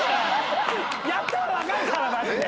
やったらわかるからマジで。